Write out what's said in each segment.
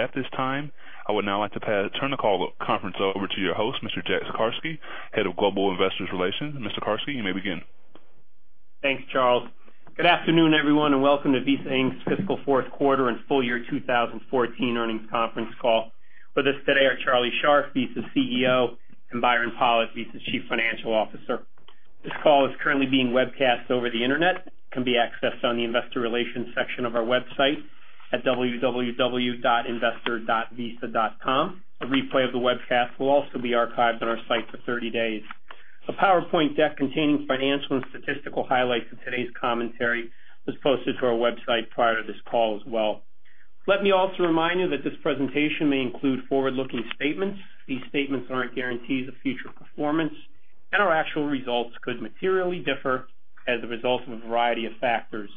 At this time, I would now like to turn the conference call over to your host, Mr. Jack Carsky, Head of Global Investor Relations. Mr. Carsky, you may begin. Thanks, Charles. Good afternoon, everyone, and welcome to Visa Inc.'s fiscal fourth quarter and full year 2014 earnings conference call. With us today are Charles Scharf, Visa’s CEO, and Byron Pollitt, Visa’s Chief Financial Officer. This call is currently being webcast over the Internet. It can be accessed on the Investor Relations section of our website at www.investor.visa.com. A replay of the webcast will also be archived on our site for 30 days. A PowerPoint deck containing financial and statistical highlights of today's commentary was posted to our website prior to this call as well. Let me also remind you that this presentation may include forward-looking statements. These statements aren't guarantees of future performance, and our actual results could materially differ as a result of a variety of factors.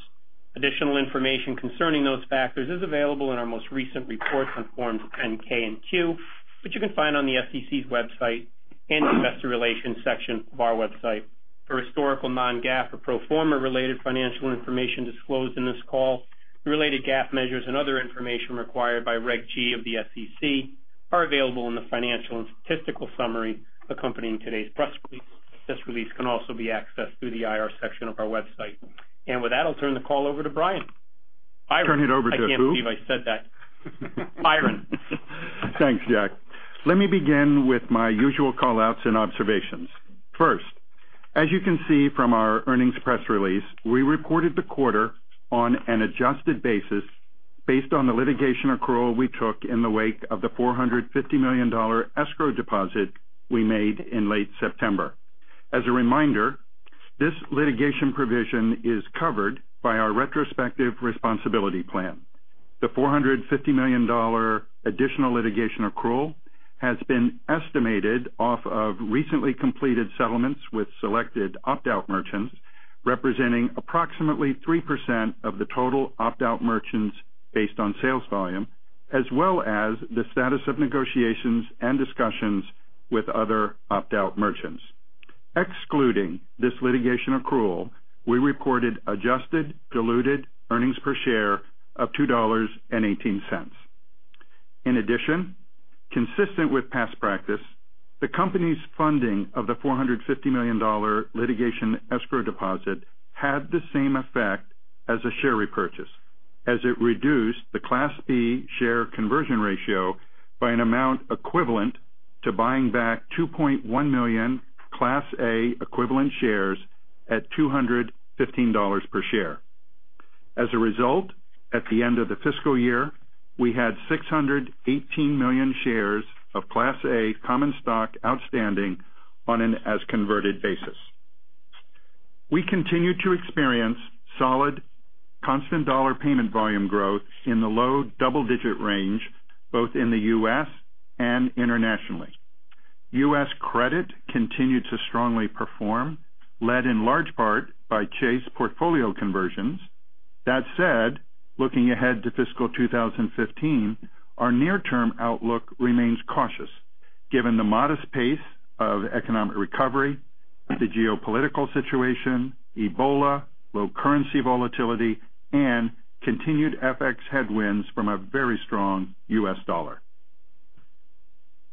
Additional information concerning those factors is available in our most recent reports in Forms 10-K and 10-Q, which you can find on the SEC's website and the Investor Relations section of our website. The historical non-GAAP or pro forma-related financial information disclosed in this call, the related GAAP measures, and other information required by Reg G of the SEC are available in the financial and statistical summary accompanying today's press release. This release can also be accessed through the IR section of our website. And with that, I'll turn the call over to Byron. I will. Turn it over to you. Thank you. If I said that. Byron. Thanks, Jack. Let me begin with my usual callouts and observations. First, as you can see from our earnings press release, we reported the quarter on an adjusted basis based on the litigation accrual we took in the wake of the $450 million escrow deposit we made in late September. As a reminder, this litigation provision is covered by our retrospective responsibility plan. The $450 million additional litigation accrual has been estimated off of recently completed settlements with selected opt-out merchants, representing approximately 3% of the total opt-out merchants based on sales volume, as well as the status of negotiations and discussions with other opt-out merchants. Excluding this litigation accrual, we reported adjusted diluted earnings per share of $2.18. In addition, consistent with past practice, the company's funding of the $450 million litigation escrow deposit had the same effect as a share repurchase, as it reduced the Class B share conversion ratio by an amount equivalent to buying back 2.1 million Class A equivalent shares at $215 per share. As a result, at the end of the fiscal year, we had 618 million shares of Class A common stock outstanding on an as-converted basis. We continue to experience solid constant dollar payment volume growth in the low double-digit range, both in the U.S. and internationally. U.S. credit continued to strongly perform, led in large part by Chase portfolio conversions. That said, looking ahead to fiscal 2015, our near-term outlook remains cautious given the modest pace of economic recovery, the geopolitical situation, Ebola, low currency volatility, and continued FX headwinds from a very strong U.S. dollar.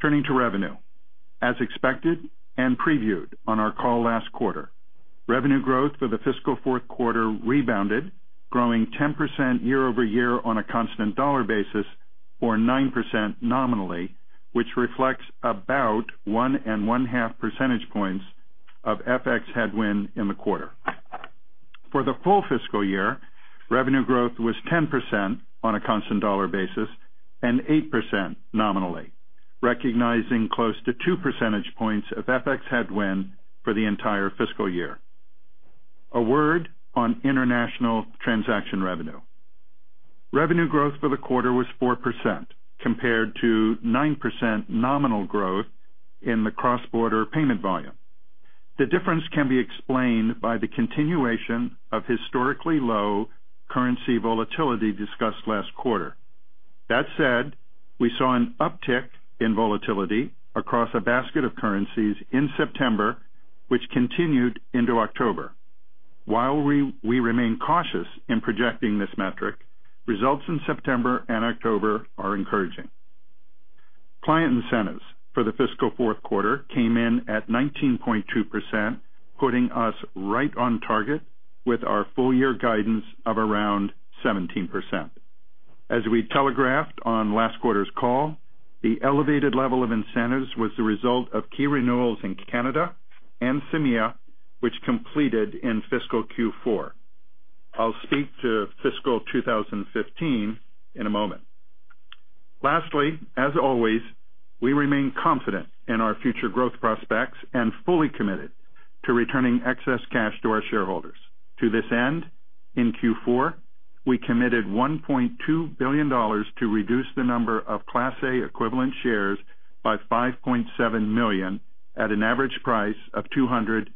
Turning to revenue, as expected and previewed on our call last quarter, revenue growth for the fiscal fourth quarter rebounded, growing 10% year over year on a constant dollar basis or 9% nominally, which reflects about 1.5 percentage points of FX headwind in the quarter. For the full fiscal year, revenue growth was 10% on a constant dollar basis and 8% nominally, recognizing close to two percentage points of FX headwind for the entire fiscal year. A word on international transaction revenue. Revenue growth for the quarter was 4% compared to 9% nominal growth in the cross-border payment volume. The difference can be explained by the continuation of historically low currency volatility discussed last quarter. That said, we saw an uptick in volatility across a basket of currencies in September, which continued into October. While we remain cautious in projecting this metric, results in September and October are encouraging. Client incentives for the fiscal fourth quarter came in at 19.2%, putting us right on target with our full year guidance of around 17%. As we telegraphed on last quarter's call, the elevated level of incentives was the result of key renewals in Canada and CEMEA, which completed in fiscal Q4. I'll speak to fiscal 2015 in a moment. Lastly, as always, we remain confident in our future growth prospects and fully committed to returning excess cash to our shareholders. To this end, in Q4, we committed $1.2 billion to reduce the number of Class A equivalent shares by 5.7 million at an average price of $213.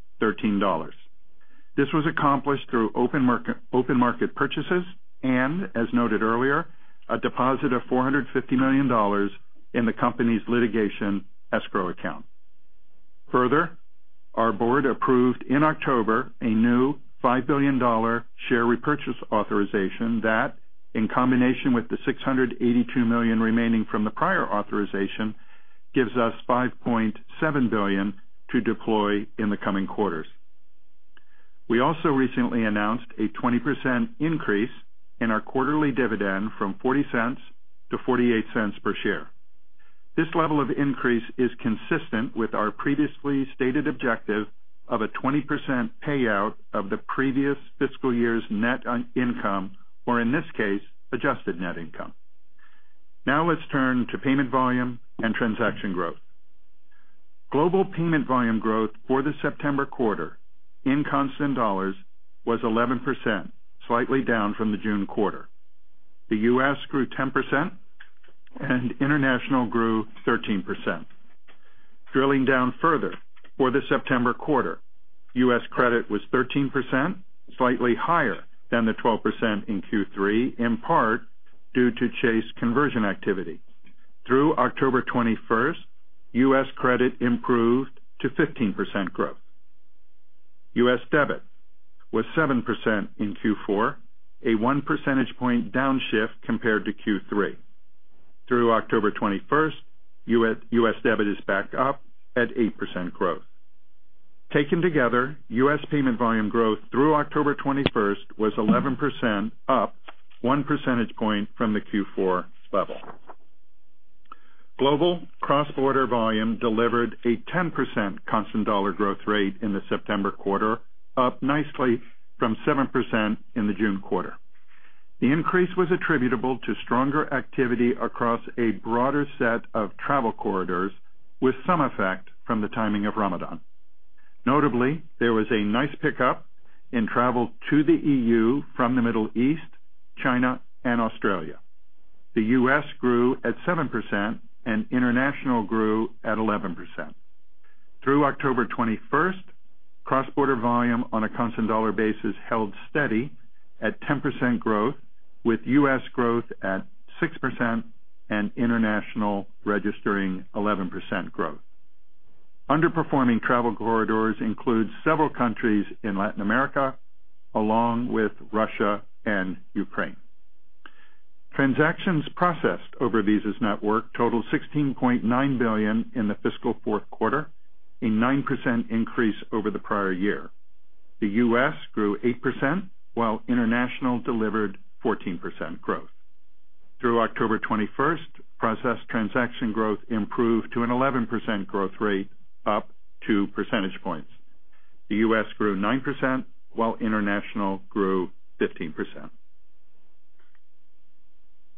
This was accomplished through open market purchases and, as noted earlier, a deposit of $450 million in the company's litigation escrow account. Further, our board approved in October a new $5 billion share repurchase authorization that, in combination with the $682 million remaining from the prior authorization, gives us $5.7 billion to deploy in the coming quarters. We also recently announced a 20% increase in our quarterly dividend from $0.40 to $0.48 per share. This level of increase is consistent with our previously stated objective of a 20% payout of the previous fiscal year's net income, or in this case, adjusted net income. Now let's turn to payment volume and transaction growth. Global payment volume growth for the September quarter, in constant dollars, was 11%, slightly down from the June quarter. The U.S. grew 10%, and international grew 13%. Drilling down further, for the September quarter, U.S. credit was 13%, slightly higher than the 12% in Q3, in part due to Chase conversion activity. Through October 21st, U.S. credit improved to 15% growth. U.S. debit was 7% in Q4, a one percentage point downshift compared to Q3. Through October 21st, U.S. debit is back up at 8% growth. Taken together, U.S. payment volume growth through October 21st was 11%, up one percentage point from the Q4 level. Global cross-border volume delivered a 10% constant dollar growth rate in the September quarter, up nicely from 7% in the June quarter. The increase was attributable to stronger activity across a broader set of travel corridors, with some effect from the timing of Ramadan. Notably, there was a nice pickup in travel to the EU from the Middle East, China, and Australia. The U.S. grew at 7%, and international grew at 11%. Through October 21st, cross-border volume on a constant dollar basis held steady at 10% growth, with U.S. growth at 6% and international registering 11% growth. Underperforming travel corridors include several countries in Latin America, along with Russia and Ukraine. Transactions processed over Visa's network totaled $16.9 billion in the fiscal fourth quarter, a 9% increase over the prior year. The U.S. grew 8%, while international delivered 14% growth. Through October 21st, processed transaction growth improved to an 11% growth rate, up two percentage points. The U.S. grew 9%, while international grew 15%.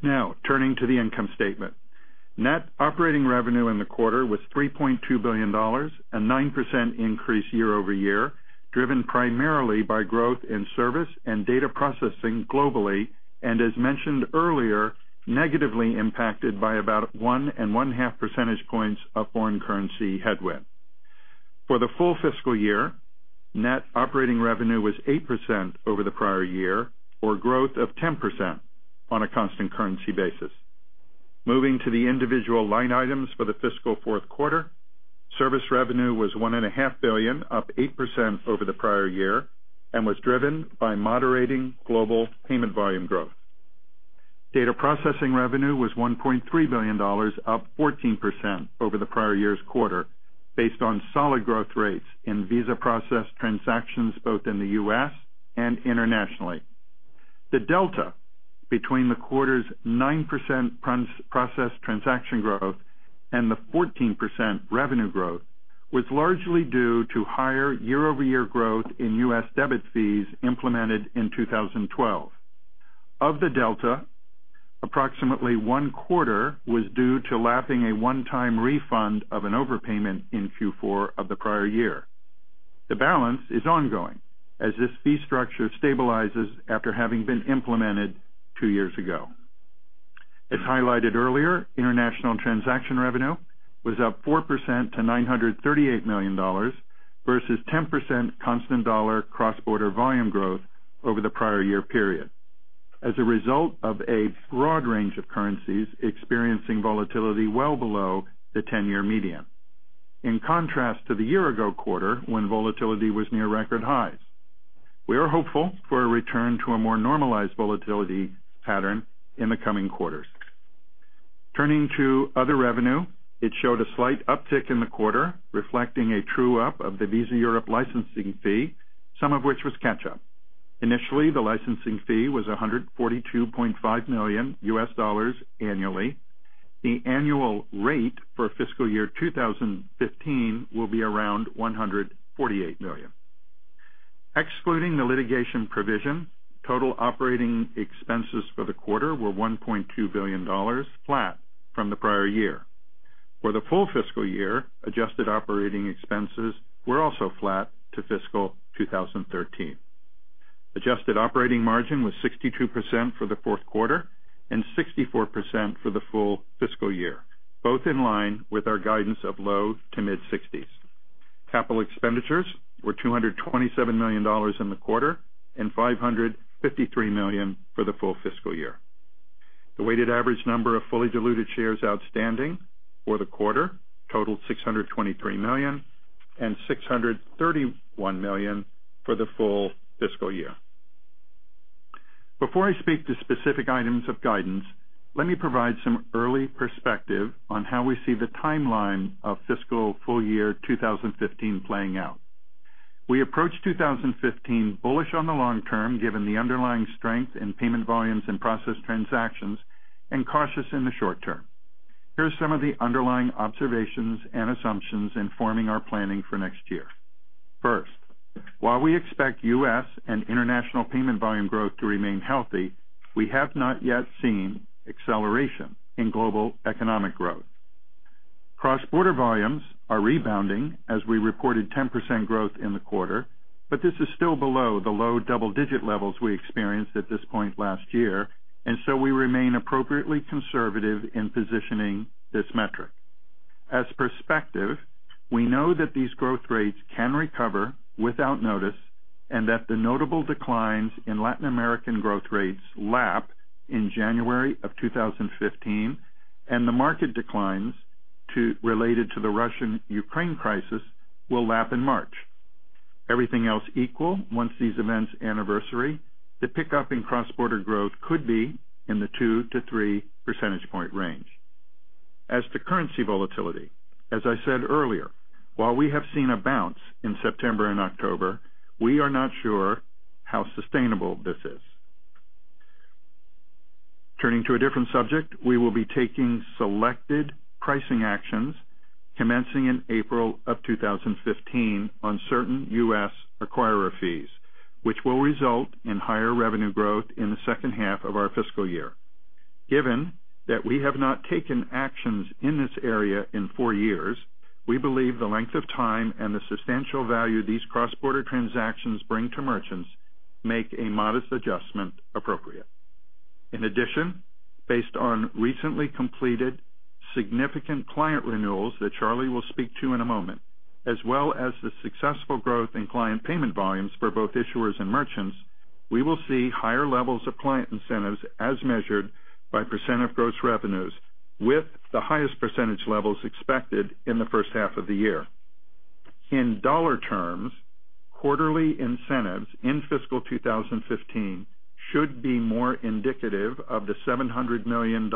Now, turning to the income statement. Net operating revenue in the quarter was $3.2 billion, a 9% increase year over year, driven primarily by growth in service and data processing globally, and, as mentioned earlier, negatively impacted by about 1.5 percentage points of foreign currency headwind. For the full fiscal year, net operating revenue was 8% over the prior year, or growth of 10% on a constant currency basis. Moving to the individual line items for the fiscal fourth quarter, service revenue was $1.5 billion, up 8% over the prior year, and was driven by moderating global payment volume growth. Data processing revenue was $1.3 billion, up 14% over the prior year's quarter, based on solid growth rates in Visa processed transactions both in the U.S. and internationally. The delta between the quarter's 9% processed transaction growth and the 14% revenue growth was largely due to higher year-over-year growth in U.S. debit fees implemented in 2012. Of the delta, approximately one quarter was due to lapping a one-time refund of an overpayment in Q4 of the prior year. The balance is ongoing, as this fee structure stabilizes after having been implemented two years ago. As highlighted earlier, international transaction revenue was up 4% to $938 million versus 10% constant dollar cross-border volume growth over the prior year period, as a result of a broad range of currencies experiencing volatility well below the 10-year median, in contrast to the year-ago quarter when volatility was near record highs. We are hopeful for a return to a more normalized volatility pattern in the coming quarters. Turning to other revenue, it showed a slight uptick in the quarter, reflecting a true-up of the Visa Europe licensing fee, some of which was catch-up. Initially, the licensing fee was $142.5 million U.S. dollars annually. The annual rate for fiscal year 2015 will be around $148 million. Excluding the litigation provision, total operating expenses for the quarter were $1.2 billion, flat from the prior year. For the full fiscal year, adjusted operating expenses were also flat to fiscal 2013. Adjusted operating margin was 62% for the fourth quarter and 64% for the full fiscal year, both in line with our guidance of low to mid-60s. Capital expenditures were $227 million in the quarter and $553 million for the full fiscal year. The weighted average number of fully diluted shares outstanding for the quarter totaled 623 million and 631 million for the full fiscal year. Before I speak to specific items of guidance, let me provide some early perspective on how we see the timeline of fiscal full year 2015 playing out. We approached 2015 bullish on the long term, given the underlying strength in payment volumes and processed transactions, and cautious in the short term. Here are some of the underlying observations and assumptions informing our planning for next year. First, while we expect U.S. and international payment volume growth to remain healthy, we have not yet seen acceleration in global economic growth. Cross-border volumes are rebounding as we reported 10% growth in the quarter, but this is still below the low double-digit levels we experienced at this point last year, and so we remain appropriately conservative in positioning this metric. For perspective, we know that these growth rates can recover without notice and that the notable declines in Latin American growth rates lap in January of 2015, and the market declines related to the Russia-Ukraine crisis will lap in March. Everything else equal once these events anniversary, the pickup in cross-border growth could be in the 2-3 percentage point range. As to currency volatility, as I said earlier, while we have seen a bounce in September and October, we are not sure how sustainable this is. Turning to a different subject, we will be taking selected pricing actions commencing in April of 2015 on certain U.S. acquirer fees, which will result in higher revenue growth in the second half of our fiscal year. Given that we have not taken actions in this area in four years, we believe the length of time and the substantial value these cross-border transactions bring to merchants make a modest adjustment appropriate. In addition, based on recently completed significant client renewals that Charlie will speak to in a moment, as well as the successful growth in client payment volumes for both issuers and merchants, we will see higher levels of client incentives as measured by % of gross revenues, with the highest % levels expected in the first half of the year. In dollar terms, quarterly incentives in fiscal 2015 should be more indicative of the $700 million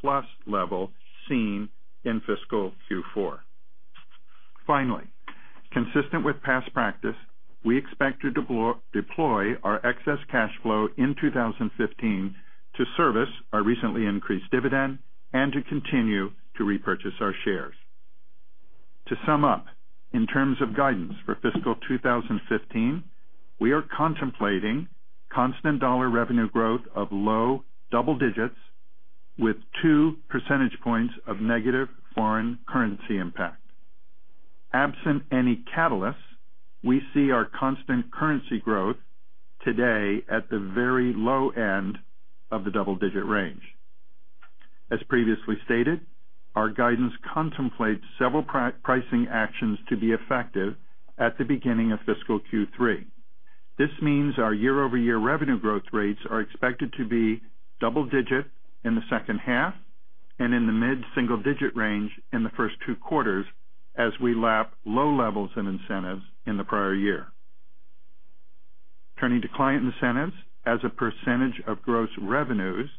plus level seen in fiscal Q4. Finally, consistent with past practice, we expect to deploy our excess cash flow in 2015 to service our recently increased dividend and to continue to repurchase our shares. To sum up, in terms of guidance for fiscal 2015, we are contemplating constant dollar revenue growth of low double digits with two percentage points of negative foreign currency impact. Absent any catalysts, we see our constant currency growth today at the very low end of the double-digit range. As previously stated, our guidance contemplates several pricing actions to be effective at the beginning of fiscal Q3. This means our year-over-year revenue growth rates are expected to be double-digit in the second half and in the mid-single-digit range in the first two quarters as we lap low levels of incentives in the prior year. Turning to client incentives, as a percentage of gross revenues,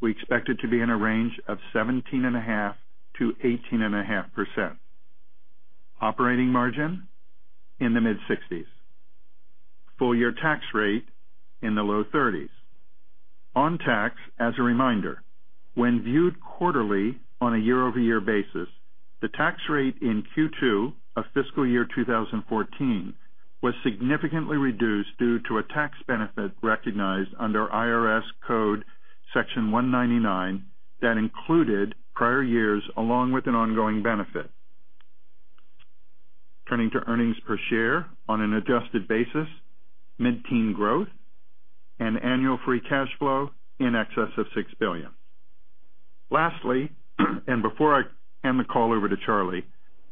we expect it to be in a range of 17.5%-18.5%. Operating margin in the mid-60s. Full year tax rate in the low 30s. On tax, as a reminder, when viewed quarterly on a year-over-year basis, the tax rate in Q2 of fiscal year 2014 was significantly reduced due to a tax benefit recognized under IRS Code Section 199 that included prior years along with an ongoing benefit. Turning to earnings per share on an adjusted basis, mid-teen growth, and annual free cash flow in excess of $6 billion. Lastly, and before I hand the call over to Charlie,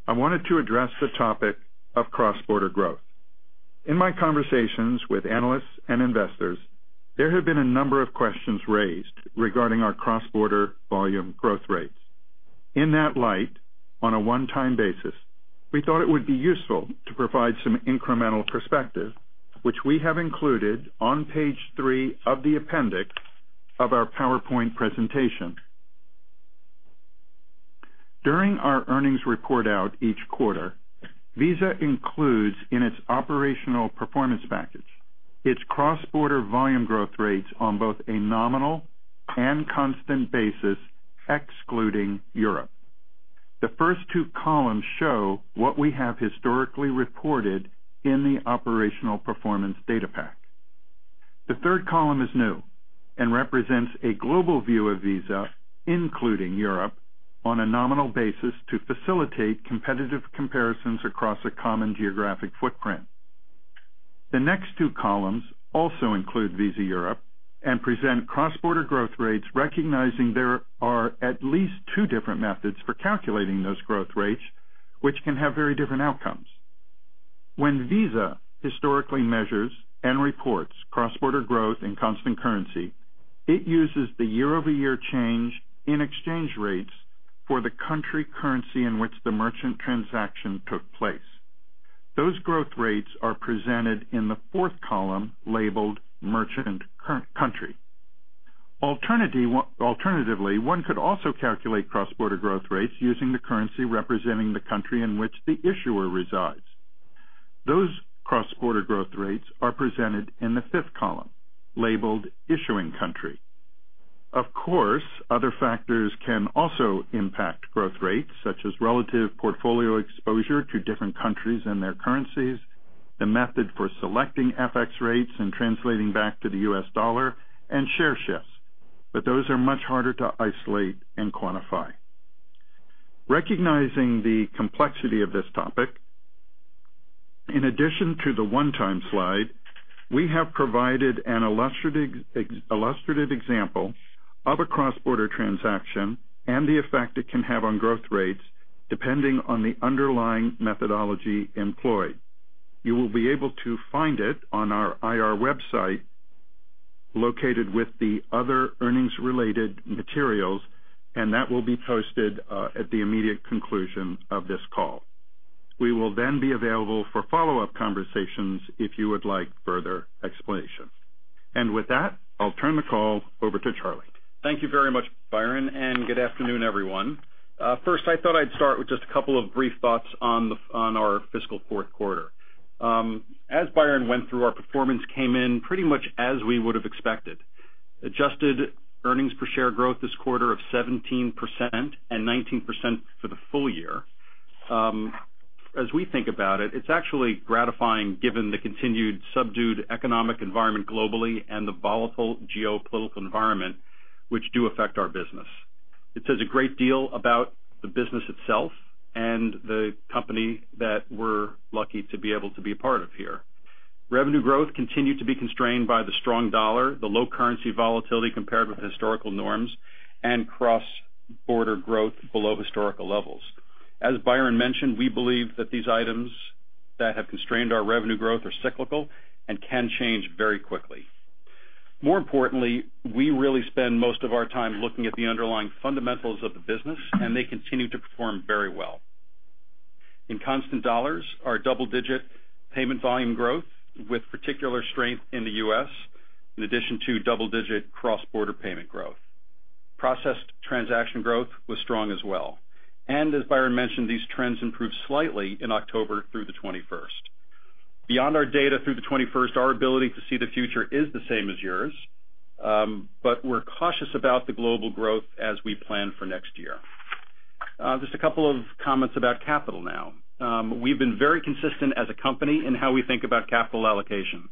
I wanted to address the topic of cross-border growth. In my conversations with analysts and investors, there have been a number of questions raised regarding our cross-border volume growth rates. In that light, on a one-time basis, we thought it would be useful to provide some incremental perspective, which we have included on page three of the appendix of our PowerPoint presentation. During our earnings report out each quarter, Visa includes in its operational performance package its cross-border volume growth rates on both a nominal and constant basis, excluding Europe. The first two columns show what we have historically reported in the operational performance data pack. The third column is new and represents a global view of Visa, including Europe, on a nominal basis to facilitate competitive comparisons across a common geographic footprint. The next two columns also include Visa Europe and present cross-border growth rates recognizing there are at least two different methods for calculating those growth rates, which can have very different outcomes. When Visa historically measures and reports cross-border growth in constant currency, it uses the year-over-year change in exchange rates for the country currency in which the merchant transaction took place. Those growth rates are presented in the fourth column labeled merchant country. Alternatively, one could also calculate cross-border growth rates using the currency representing the country in which the issuer resides. Those cross-border growth rates are presented in the fifth column labeled issuing country. Of course, other factors can also impact growth rates, such as relative portfolio exposure to different countries and their currencies, the method for selecting FX rates and translating back to the U.S. dollar, and share shifts, but those are much harder to isolate and quantify. Recognizing the complexity of this topic, in addition to the one-time slide, we have provided an illustrative example of a cross-border transaction and the effect it can have on growth rates depending on the underlying methodology employed. You will be able to find it on our IR website located with the other earnings-related materials, and that will be posted at the immediate conclusion of this call. We will then be available for follow-up conversations if you would like further explanation. And with that, I'll turn the call over to Charlie. Thank you very much, Byron, and good afternoon, everyone. First, I thought I'd start with just a couple of brief thoughts on our fiscal fourth quarter. As Byron went through, our performance came in pretty much as we would have expected. Adjusted earnings per share growth this quarter of 17% and 19% for the full year. As we think about it, it's actually gratifying given the continued subdued economic environment globally and the volatile geopolitical environment, which do affect our business. It says a great deal about the business itself and the company that we're lucky to be able to be a part of here. Revenue growth continued to be constrained by the strong dollar, the low currency volatility compared with historical norms, and cross-border growth below historical levels. As Byron mentioned, we believe that these items that have constrained our revenue growth are cyclical and can change very quickly. More importantly, we really spend most of our time looking at the underlying fundamentals of the business, and they continue to perform very well. In constant dollars, our double-digit payment volume growth with particular strength in the U.S., in addition to double-digit cross-border payment growth. Processed transaction growth was strong as well, and as Byron mentioned, these trends improved slightly in October through the 21st. Beyond our data through the 21st, our ability to see the future is the same as yours, but we're cautious about the global growth as we plan for next year. Just a couple of comments about capital now. We've been very consistent as a company in how we think about capital allocation.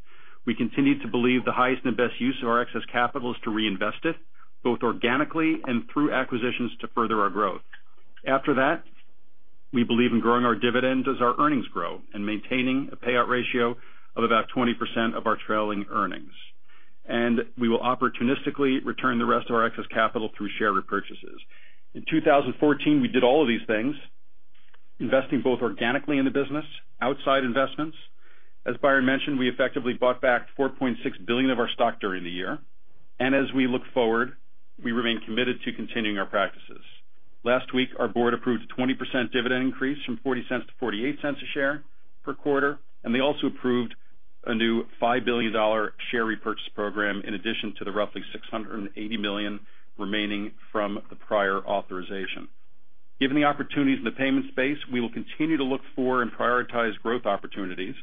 We continue to believe the highest and best use of our excess capital is to reinvest it, both organically and through acquisitions to further our growth. After that, we believe in growing our dividend as our earnings grow and maintaining a payout ratio of about 20% of our trailing earnings. And we will opportunistically return the rest of our excess capital through share repurchases. In 2014, we did all of these things, investing both organically in the business, outside investments. As Byron mentioned, we effectively bought back $4.6 billion of our stock during the year. And as we look forward, we remain committed to continuing our practices. Last week, our board approved a 20% dividend increase from $0.40 to $0.48 a share per quarter, and they also approved a new $5 billion share repurchase program in addition to the roughly $680 million remaining from the prior authorization. Given the opportunities in the payment space, we will continue to look for and prioritize growth opportunities,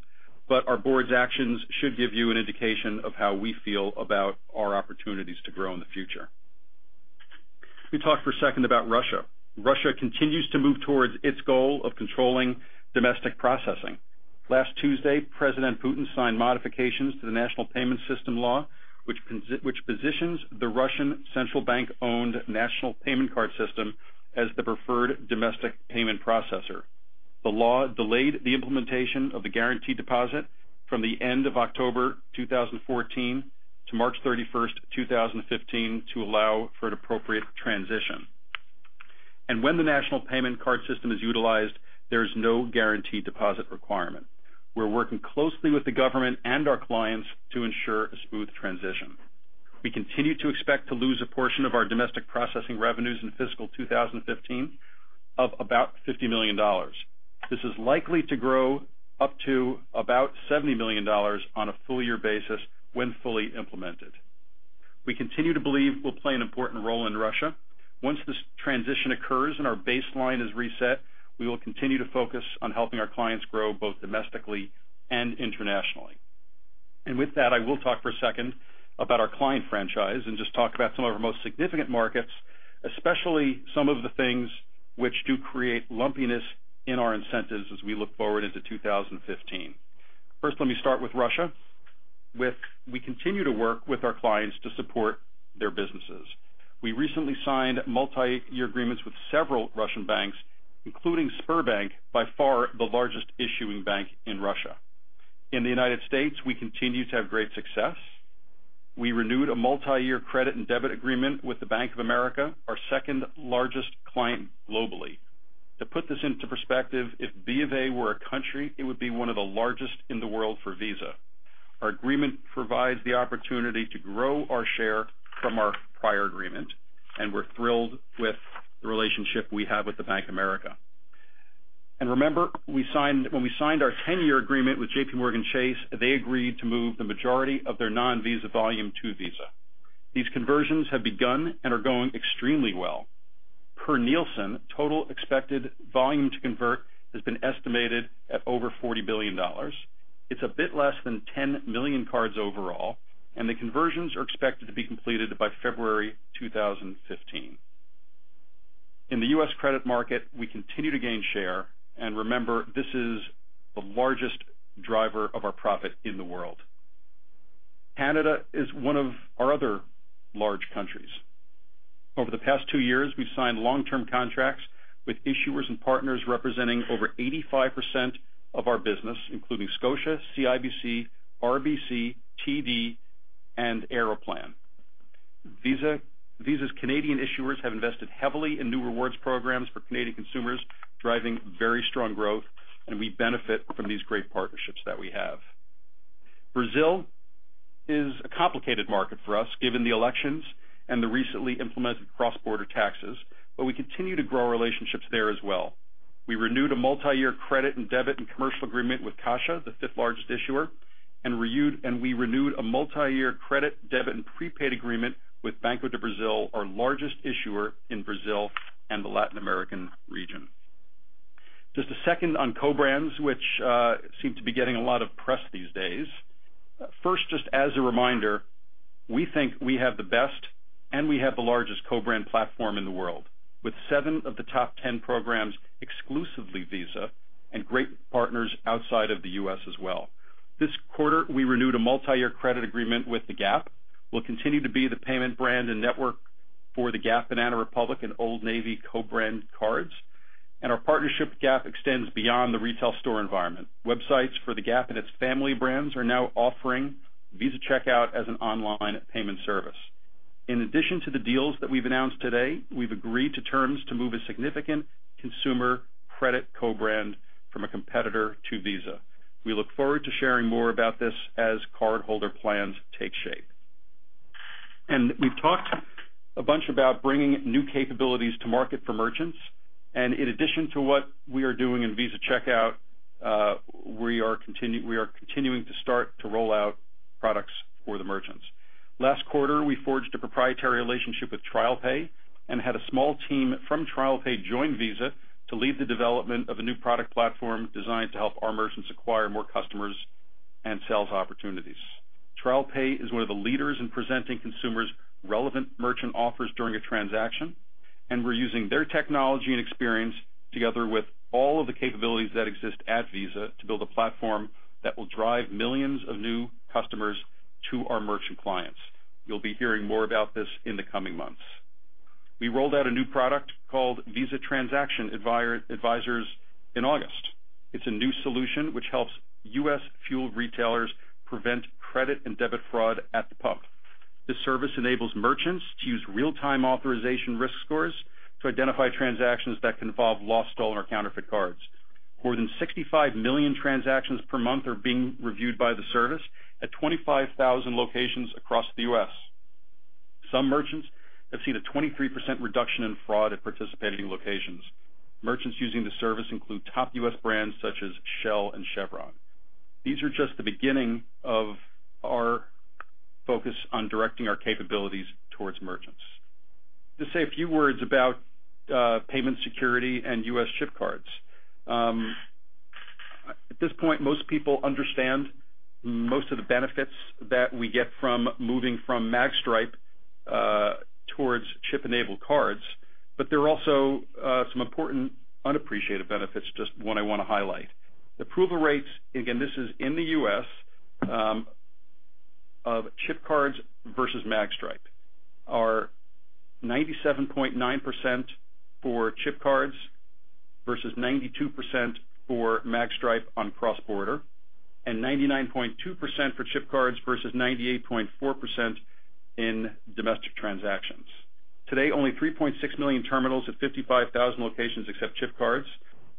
but our board's actions should give you an indication of how we feel about our opportunities to grow in the future. We talked for a second about Russia. Russia continues to move towards its goal of controlling domestic processing. Last Tuesday, President Putin signed modifications to the National Payment Card System law, which positions the Russian central bank-owned national payment card system as the preferred domestic payment processor. The law delayed the implementation of the guaranteed deposit from the end of October 2014 to March 31st, 2015, to allow for an appropriate transition, and when the national payment card system is utilized, there is no guaranteed deposit requirement. We're working closely with the government and our clients to ensure a smooth transition. We continue to expect to lose a portion of our domestic processing revenues in fiscal 2015 of about $50 million. This is likely to grow up to about $70 million on a full year basis when fully implemented. We continue to believe we'll play an important role in Russia. Once this transition occurs and our baseline is reset, we will continue to focus on helping our clients grow both domestically and internationally, and with that, I will talk for a second about our client franchise and just talk about some of our most significant markets, especially some of the things which do create lumpiness in our incentives as we look forward into 2015. First, let me start with Russia. We continue to work with our clients to support their businesses. We recently signed multi-year agreements with several Russian banks, including Sberbank, by far the largest issuing bank in Russia. In the United States, we continue to have great success. We renewed a multi-year credit and debit agreement with the Bank of America, our second largest client globally. To put this into perspective, if B of A were a country, it would be one of the largest in the world for Visa. Our agreement provides the opportunity to grow our share from our prior agreement, and we're thrilled with the relationship we have with the Bank of America. And remember, when we signed our 10-year agreement with JPMorgan Chase, they agreed to move the majority of their non-Visa volume to Visa. These conversions have begun and are going extremely well. Per Nilson, total expected volume to convert has been estimated at over $40 billion. It's a bit less than 10 million cards overall, and the conversions are expected to be completed by February 2015. In the U.S. credit market, we continue to gain share, and remember, this is the largest driver of our profit in the world. Canada is one of our other large countries. Over the past two years, we've signed long-term contracts with issuers and partners representing over 85% of our business, including Scotia, CIBC, RBC, TD, and Aeroplan. Visa's Canadian issuers have invested heavily in new rewards programs for Canadian consumers, driving very strong growth, and we benefit from these great partnerships that we have. Brazil is a complicated market for us given the elections and the recently implemented cross-border taxes, but we continue to grow relationships there as well. We renewed a multi-year credit and debit and commercial agreement with Caixa, the fifth largest issuer, and we renewed a multi-year credit, debit, and prepaid agreement with Banco do Brasil, our largest issuer in Brazil and the Latin American region. Just a second on co-brands, which seem to be getting a lot of press these days. First, just as a reminder, we think we have the best and we have the largest co-brand platform in the world, with seven of the top 10 programs exclusively Visa and great partners outside of the U.S. as well. This quarter, we renewed a multi-year credit agreement with Gap. We'll continue to be the payment brand and network for the Gap, Banana Republic and Old Navy co-brand cards, and our partnership with Gap extends beyond the retail store environment. Websites for the Gap and its family brands are now offering Visa Checkout as an online payment service. In addition to the deals that we've announced today, we've agreed to terms to move a significant consumer credit co-brand from a competitor to Visa. We look forward to sharing more about this as cardholder plans take shape, and we've talked a bunch about bringing new capabilities to market for merchants, and in addition to what we are doing in Visa Checkout, we are continuing to start to roll out products for the merchants. Last quarter, we forged a proprietary relationship with TrialPay and had a small team from TrialPay join Visa to lead the development of a new product platform designed to help our merchants acquire more customers and sales opportunities. TrialPay is one of the leaders in presenting consumers relevant merchant offers during a transaction, and we're using their technology and experience together with all of the capabilities that exist at Visa to build a platform that will drive millions of new customers to our merchant clients. You'll be hearing more about this in the coming months. We rolled out a new product called Visa Transaction Advisors in August. It's a new solution which helps U.S. fuel retailers prevent credit and debit fraud at the pump. This service enables merchants to use real-time authorization risk scores to identify transactions that can involve lost, stolen, or counterfeit cards. More than 65 million transactions per month are being reviewed by the service at 25,000 locations across the U.S. Some merchants have seen a 23% reduction in fraud at participating locations. Merchants using the service include top U.S. brands such as Shell and Chevron. These are just the beginning of our focus on directing our capabilities towards merchants. To say a few words about payment security and U.S. chip cards. At this point, most people understand most of the benefits that we get from moving from magstripe towards chip-enabled cards, but there are also some important unappreciated benefits, just one I want to highlight. The approval rates, again, this is in the U.S., of chip cards versus magstripe, are 97.9% for chip cards versus 92% for magstripe on cross-border, and 99.2% for chip cards versus 98.4% in domestic transactions. Today, only 3.6 million terminals at 55,000 locations accept chip cards.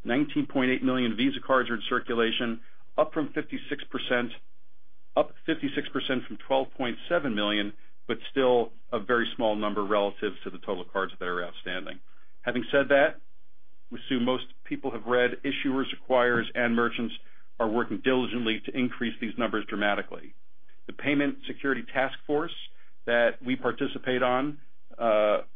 19.8 million Visa cards are in circulation, up 56% from 12.7 million, but still a very small number relative to the total cards that are outstanding. Having said that, we assume most people have read issuers, acquirers, and merchants are working diligently to increase these numbers dramatically. The payment security task force that we participate on,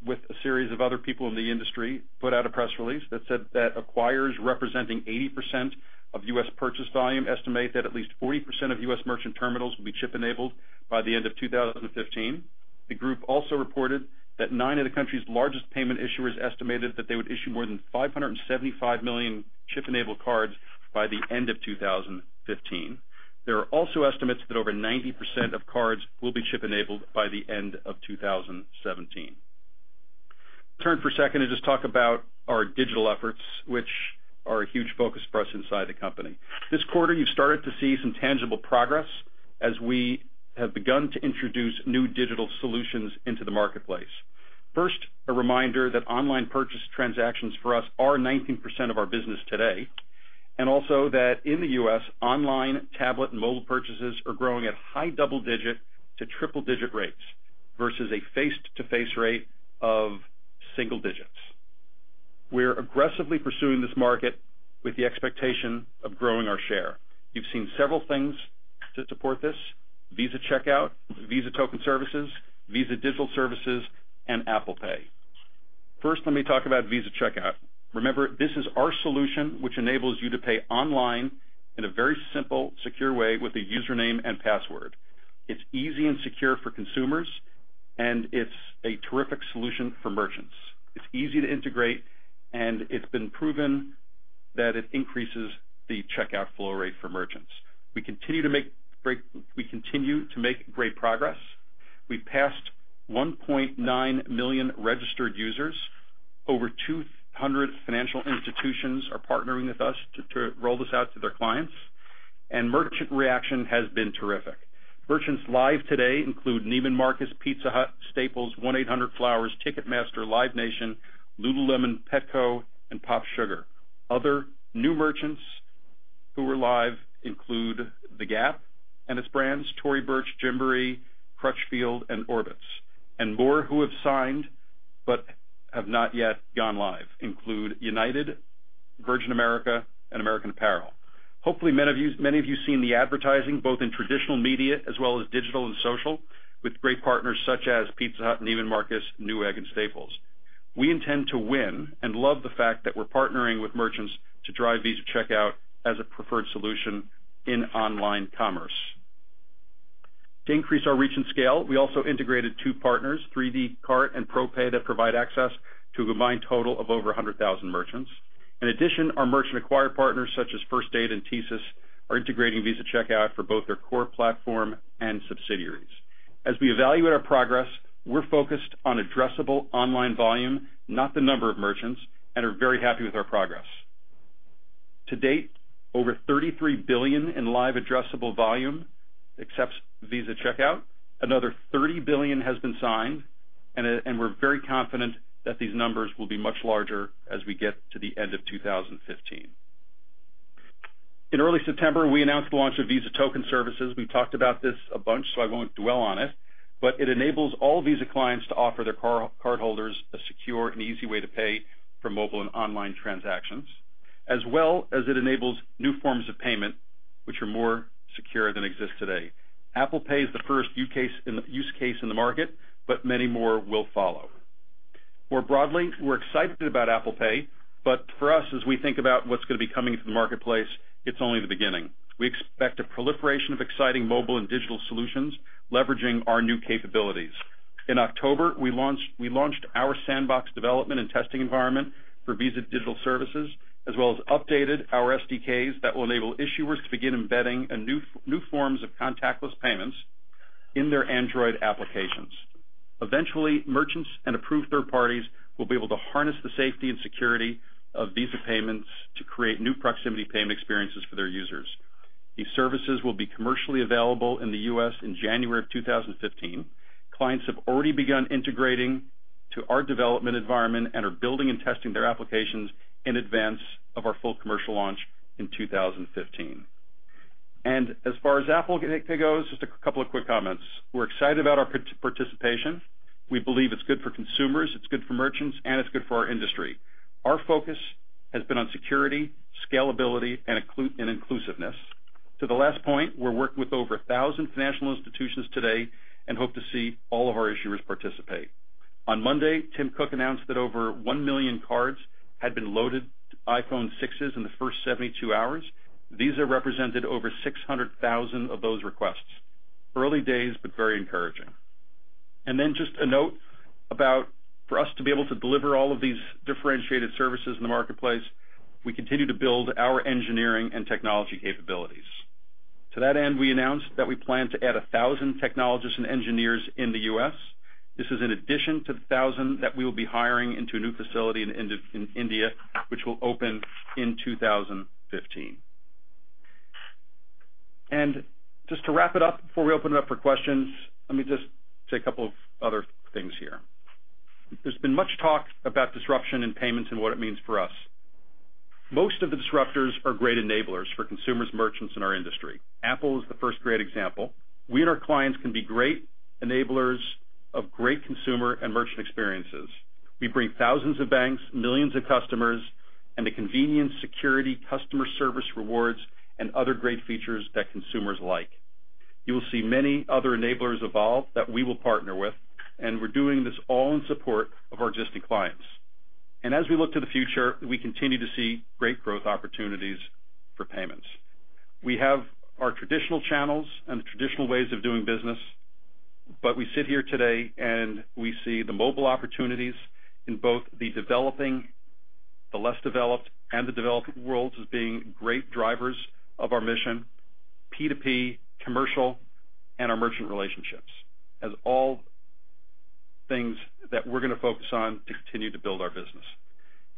with a series of other people in the industry, put out a press release that said that acquirers, representing 80% of U.S. purchase volume, estimate that at least 40% of U.S. merchant terminals will be chip-enabled by the end of 2015. The group also reported that nine of the country's largest payment issuers estimated that they would issue more than 575 million chip-enabled cards by the end of 2015. There are also estimates that over 90% of cards will be chip-enabled by the end of 2017. Turn for a second and just talk about our digital efforts, which are a huge focus for us inside the company. This quarter, you've started to see some tangible progress as we have begun to introduce new digital solutions into the marketplace. First, a reminder that online purchase transactions for us are 19% of our business today, and also that in the U.S., online tablet and mobile purchases are growing at high double-digit to triple-digit rates versus a face-to-face rate of single digits. We're aggressively pursuing this market with the expectation of growing our share. You've seen several things to support this: Visa Checkout, Visa Token Service, Visa Digital Services, and Apple Pay. First, let me talk about Visa Checkout. Remember, this is our solution which enables you to pay online in a very simple, secure way with a username and password. It's easy and secure for consumers, and it's a terrific solution for merchants. It's easy to integrate, and it's been proven that it increases the checkout flow rate for merchants. We continue to make great progress. We've passed 1.9 million registered users. Over 200 financial institutions are partnering with us to roll this out to their clients, and merchant reaction has been terrific. Merchants live today include Neiman Marcus, Pizza Hut, Staples, 1-800-Flowers, Ticketmaster, Live Nation, Lululemon, Petco, and PopSugar. Other new merchants who are live include the Gap and its brands, Tory Burch, Gymboree, Crutchfield, and Orbitz, and more who have signed but have not yet gone live include United, Virgin America, and American Apparel. Hopefully, many of you have seen the advertising both in traditional media as well as digital and social with great partners such as Pizza Hut, Neiman Marcus, Newegg, and Staples. We intend to win and love the fact that we're partnering with merchants to drive Visa Checkout as a preferred solution in online commerce. To increase our reach and scale, we also integrated two partners, 3dcart and ProPay, that provide access to a combined total of over 100,000 merchants. In addition, our merchant acquired partners such as First Data and TSYS are integrating Visa Checkout for both their core platform and subsidiaries. As we evaluate our progress, we're focused on addressable online volume, not the number of merchants, and are very happy with our progress. To date, over $33 billion in live addressable volume accepts Visa Checkout. Another $30 billion has been signed, and we're very confident that these numbers will be much larger as we get to the end of 2015. In early September, we announced the launch of Visa Token Service. We've talked about this a bunch, so I won't dwell on it, but it enables all Visa clients to offer their cardholders a secure and easy way to pay for mobile and online transactions, as well as it enables new forms of payment which are more secure than exist today. Apple Pay is the first use case in the market, but many more will follow. More broadly, we're excited about Apple Pay, but for us, as we think about what's going to be coming to the marketplace, it's only the beginning. We expect a proliferation of exciting mobile and digital solutions leveraging our new capabilities. In October, we launched our sandbox development and testing environment for Visa Digital Services, as well as updated our SDKs that will enable issuers to begin embedding new forms of contactless payments in their Android applications. Eventually, merchants and approved third parties will be able to harness the safety and security of Visa payments to create new proximity payment experiences for their users. These services will be commercially available in the U.S. in January of 2015. Clients have already begun integrating to our development environment and are building and testing their applications in advance of our full commercial launch in 2015. And as far as Apple Pay goes, just a couple of quick comments. We're excited about our participation. We believe it's good for consumers, it's good for merchants, and it's good for our industry. Our focus has been on security, scalability, and inclusiveness. To the last point, we're working with over 1,000 national institutions today and hope to see all of our issuers participate. On Monday, Tim Cook announced that over 1 million cards had been loaded to iPhone 6s in the first 72 hours. Visa represented over 600,000 of those requests. Early days, but very encouraging, and then just a note about for us to be able to deliver all of these differentiated services in the marketplace, we continue to build our engineering and technology capabilities. To that end, we announced that we plan to add 1,000 technologists and engineers in the U.S. This is in addition to the 1,000 that we will be hiring into a new facility in India, which will open in 2015. And just to wrap it up, before we open it up for questions, let me just say a couple of other things here. There's been much talk about disruption in payments and what it means for us. Most of the disruptors are great enablers for consumers, merchants, and our industry. Apple is the first great example. We and our clients can be great enablers of great consumer and merchant experiences. We bring thousands of banks, millions of customers, and the convenience, security, customer service rewards, and other great features that consumers like. You will see many other enablers evolve that we will partner with, and we're doing this all in support of our existing clients. And as we look to the future, we continue to see great growth opportunities for payments. We have our traditional channels and the traditional ways of doing business, but we sit here today and we see the mobile opportunities in both the developing, the less developed, and the developed worlds as being great drivers of our mission, P2P, commercial, and our merchant relationships, as all things that we're going to focus on to continue to build our business.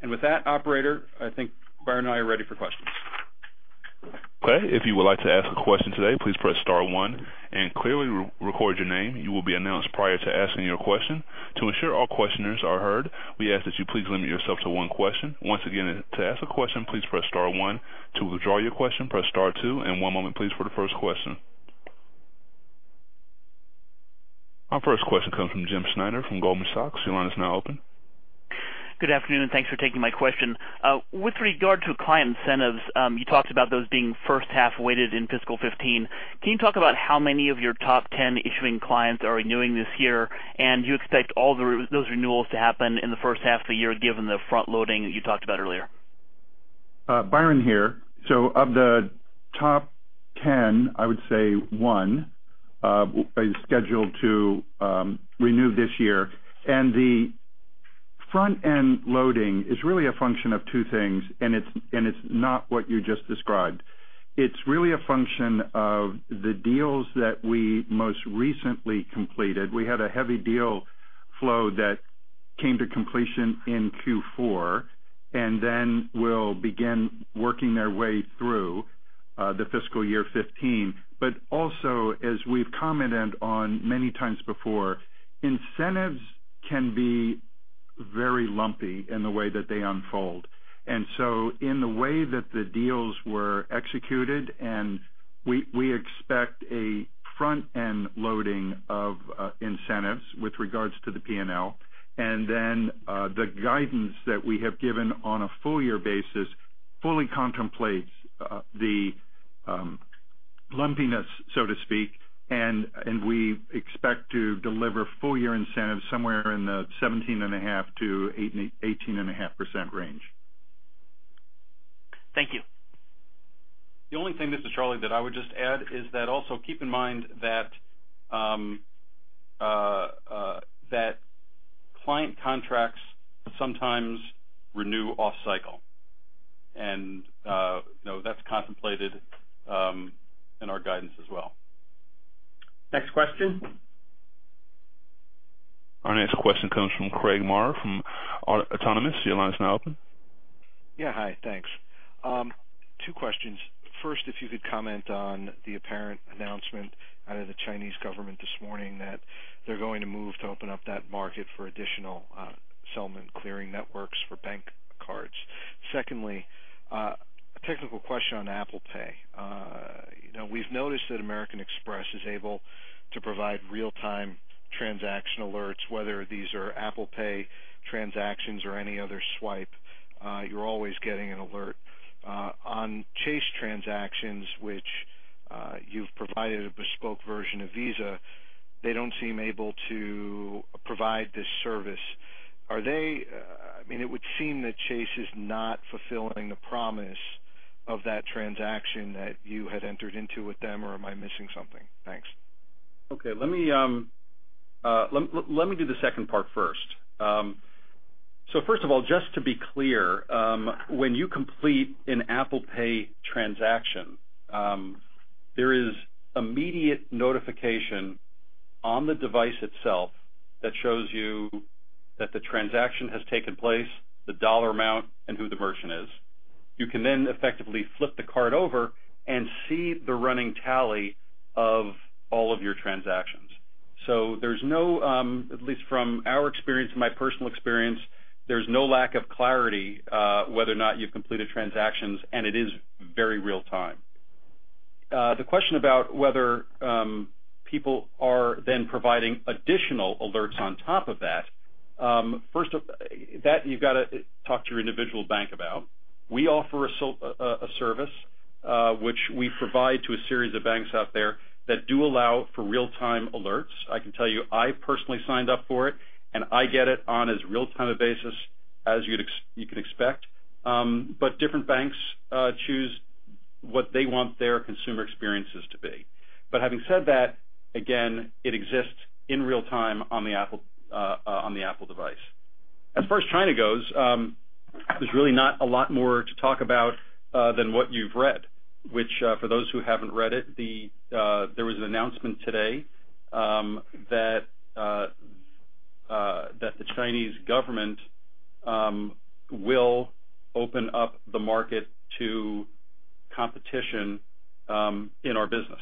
And with that, Operator, I think Byron and I are ready for questions. Okay. If you would like to ask a question today, please press star one. And clearly record your name. You will be announced prior to asking your question. To ensure all questioners are heard, we ask that you please limit yourself to one question. Once again, to ask a question, please press star one. To withdraw your question, press star two. And one moment, please, for the first question. Our first question comes from Jim Schneider from Goldman Sachs. Your line is now open. Good afternoon, and thanks for taking my question. With regard to client incentives, you talked about those being first half weighted in fiscal 2015. Can you talk about how many of your top 10 issuing clients are renewing this year, and do you expect all those renewals to happen in the first half of the year given the front-loading you talked about earlier? Byron here. So of the top 10, I would say one is scheduled to renew this year. And the front-end loading is really a function of two things, and it's not what you just described. It's really a function of the deals that we most recently completed. We had a heavy deal flow that came to completion in Q4 and then will begin working their way through the fiscal year 2015. But also, as we've commented on many times before, incentives can be very lumpy in the way that they unfold. And so in the way that the deals were executed, we expect a front-end loading of incentives with regards to the P&L. And then the guidance that we have given on a full-year basis fully contemplates the lumpiness, so to speak, and we expect to deliver full-year incentives somewhere in the 17.5%-18.5% range. Thank you. The only thing, Mr. Charlie, that I would just add is that also keep in mind that client contracts sometimes renew off-cycle, and that's contemplated in our guidance as well. Next question. Our next question comes from Craig Maurer from Autonomous Research. Your line is now open. Yeah. Hi. Thanks. Two questions. First, if you could comment on the apparent announcement out of the Chinese government this morning that they're going to move to open up that market for additional settlement clearing networks for bank cards. Secondly, a technical question on Apple Pay. We've noticed that American Express is able to provide real-time transaction alerts, whether these are Apple Pay transactions or any other swipe. You're always getting an alert. On Chase transactions, which you've provided a bespoke version of Visa, they don't seem able to provide this service. I mean, it would seem that Chase is not fulfilling the promise of that transaction that you had entered into with them, or am I missing something? Thanks. Okay. Let me do the second part first. So first of all, just to be clear, when you complete an Apple Pay transaction, there is immediate notification on the device itself that shows you that the transaction has taken place, the dollar amount, and who the merchant is. You can then effectively flip the card over and see the running tally of all of your transactions. So there's no, at least from our experience, my personal experience, there's no lack of clarity whether or not you've completed transactions, and it is very real-time. The question about whether people are then providing additional alerts on top of that, first, that you've got to talk to your individual bank about. We offer a service, which we provide to a series of banks out there that do allow for real-time alerts. I can tell you I personally signed up for it, and I get it on as real-time a basis as you can expect. But different banks choose what they want their consumer experiences to be. But having said that, again, it exists in real-time on the Apple device. As far as China goes, there's really not a lot more to talk about than what you've read, which for those who haven't read it, there was an announcement today that the Chinese government will open up the market to competition in our business.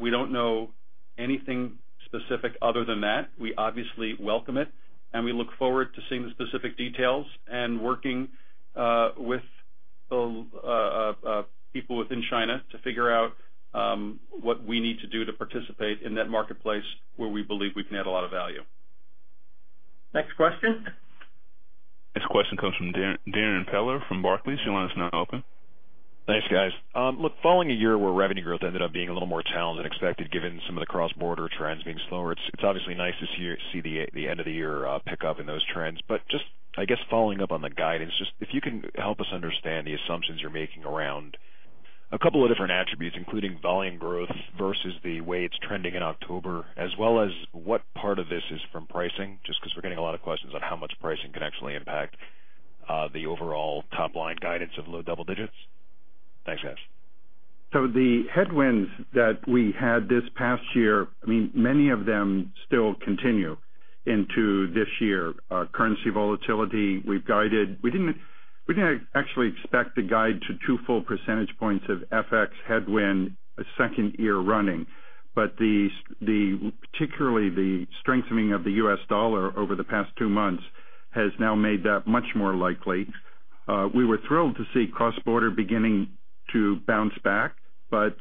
We don't know anything specific other than that. We obviously welcome it, and we look forward to seeing the specific details and working with people within China to figure out what we need to do to participate in that marketplace where we believe we can add a lot of value. Next question. Next question comes from Darren Peller from Barclays. Your line is now open. Thanks, guys. Look, following a year where revenue growth ended up being a little more challenged than expected given some of the cross-border trends being slower, it's obviously nice to see the end of the year pick up in those trends. But just, I guess, following up on the guidance, just if you can help us understand the assumptions you're making around a couple of different attributes, including volume growth versus the way it's trending in October, as well as what part of this is from pricing, just because we're getting a lot of questions on how much pricing can actually impact the overall top-line guidance of low double digits. Thanks, guys. The headwinds that we had this past year, I mean, many of them still continue into this year. Currency volatility, we didn't actually expect to guide to two full percentage points of FX headwind a second year running, but particularly the strengthening of the U.S. dollar over the past two months has now made that much more likely. We were thrilled to see cross-border beginning to bounce back, but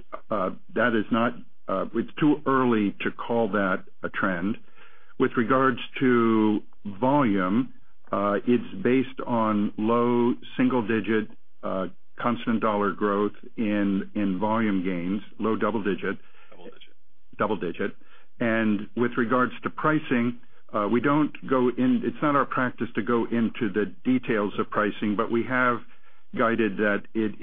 it's too early to call that a trend. With regards to volume, it's based on low single-digit constant dollar growth in volume gains, low double digit. Double digit. Double-digit. With regards to pricing, we don't go into it; it's not our practice to go into the details of pricing, but we have guided that it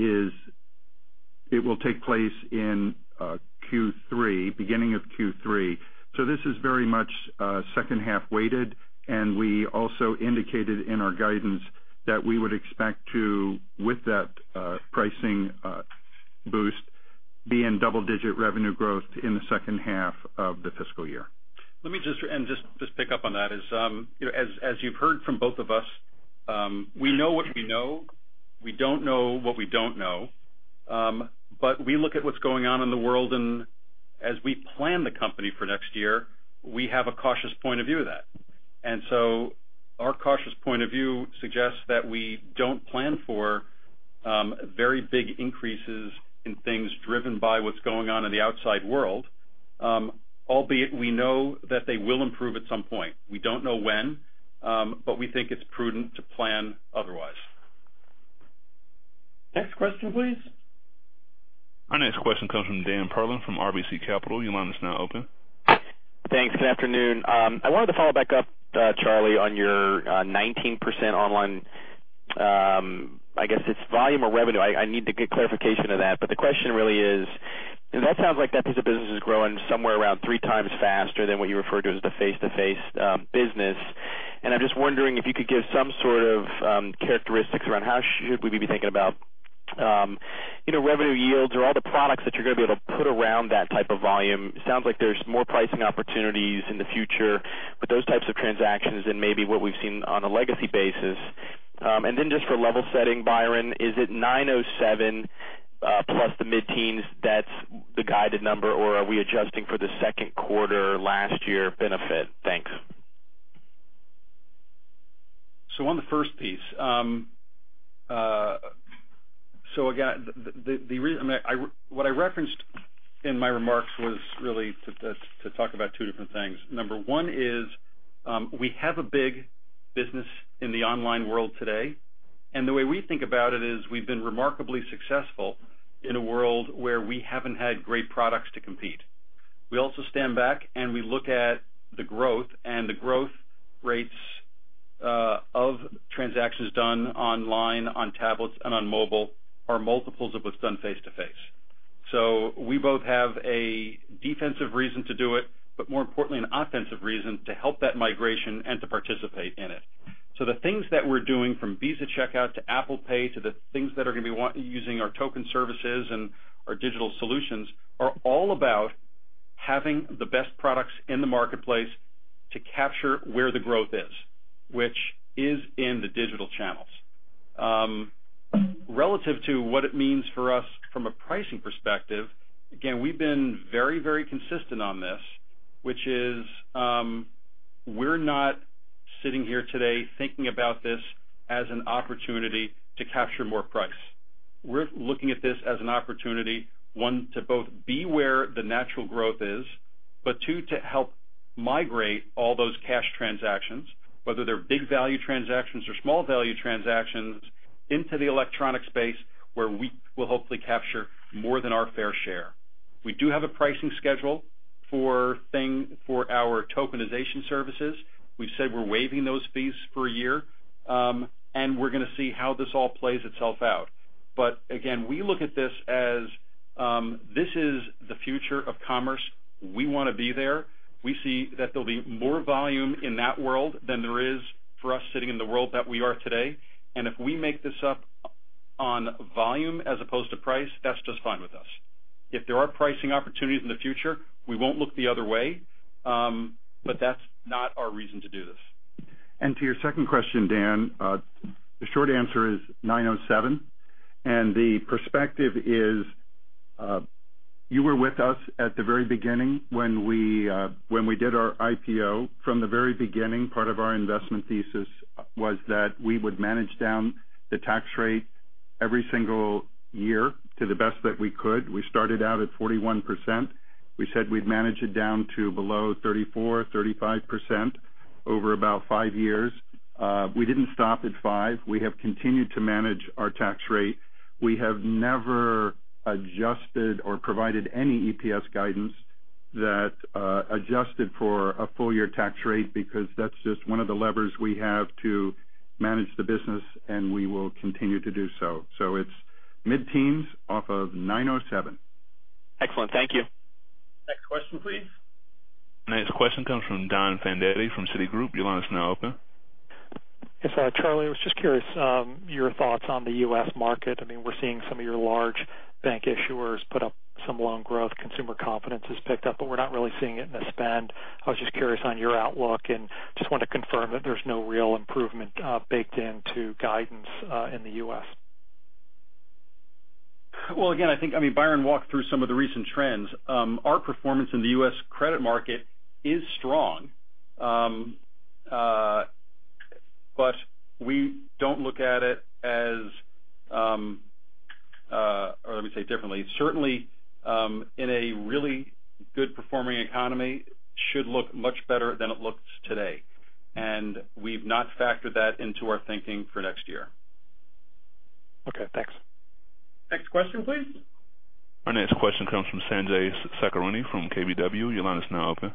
will take place in Q3, beginning of Q3. So this is very much second-half weighted, and we also indicated in our guidance that we would expect to, with that pricing boost, be in double-digit revenue growth in the second half of the fiscal year. Let me just pick up on that. As you've heard from both of us, we know what we know. We don't know what we don't know, but we look at what's going on in the world, and as we plan the company for next year, we have a cautious point of view of that, and so our cautious point of view suggests that we don't plan for very big increases in things driven by what's going on in the outside world, albeit we know that they will improve at some point. We don't know when, but we think it's prudent to plan otherwise. Next question, please. Our next question comes from Dan Perlin from RBC Capital Markets. Your line is now open. Thanks. Good afternoon. I wanted to follow back up, Charlie, on your 19% online, I guess it's volume or revenue. I need to get clarification of that. But the question really is, that sounds like that piece of business is growing somewhere around three times faster than what you refer to as the face-to-face business. And I'm just wondering if you could give some sort of characteristics around how should we be thinking about revenue yields or all the products that you're going to be able to put around that type of volume. It sounds like there's more pricing opportunities in the future with those types of transactions than maybe what we've seen on a legacy basis. And then just for level setting, Byron, is it 907 plus the mid-teens that's the guided number, or are we adjusting for the second quarter last year benefit? Thanks. On the first piece, so again, what I referenced in my remarks was really to talk about two different things. Number one is we have a big business in the online world today, and the way we think about it is we've been remarkably successful in a world where we haven't had great products to compete. We also stand back and we look at the growth, and the growth rates of transactions done online, on tablets, and on mobile are multiples of what's done face-to-face. So we both have a defensive reason to do it, but more importantly, an offensive reason to help that migration and to participate in it. The things that we're doing from Visa Checkout to Apple Pay to the things that are going to be using our token services and our digital solutions are all about having the best products in the marketplace to capture where the growth is, which is in the digital channels. Relative to what it means for us from a pricing perspective, again, we've been very, very consistent on this, which is we're not sitting here today thinking about this as an opportunity to capture more price. We're looking at this as an opportunity, one, to both be where the natural growth is, but two, to help migrate all those cash transactions, whether they're big value transactions or small value transactions, into the electronic space where we will hopefully capture more than our fair share. We do have a pricing schedule for our tokenization services. We've said we're waiving those fees for a year, and we're going to see how this all plays itself out. But again, we look at this as this is the future of commerce. We want to be there. We see that there'll be more volume in that world than there is for us sitting in the world that we are today. And if we make this up on volume as opposed to price, that's just fine with us. If there are pricing opportunities in the future, we won't look the other way, but that's not our reason to do this. And to your second question, Dan, the short answer is 907. And the perspective is you were with us at the very beginning when we did our IPO. From the very beginning, part of our investment thesis was that we would manage down the tax rate every single year to the best that we could. We started out at 41%. We said we'd manage it down to below 34%-35% over about five years. We didn't stop at five. We have continued to manage our tax rate. We have never adjusted or provided any EPS guidance that adjusted for a full-year tax rate because that's just one of the levers we have to manage the business, and we will continue to do so. So it's mid-teens off of 907. Excellent. Thank you. Next question, please. Next question comes from Don Fandetti from Citigroup. Your line is now open. Yes, Charlie. I was just curious your thoughts on the U.S. market. I mean, we're seeing some of your large bank issuers put up some loan growth. Consumer confidence has picked up, but we're not really seeing it in the spend. I was just curious on your outlook and just wanted to confirm that there's no real improvement baked into guidance in the U.S. Again, I think, I mean, Byron walked through some of the recent trends. Our performance in the U.S. credit market is strong, but we don't look at it as, or let me say differently, certainly in a really good-performing economy should look much better than it looks today. We've not factored that into our thinking for next year. Okay. Thanks. Next question, please. Our next question comes from Sanjay Sakhrani from KBW. Your line is now open.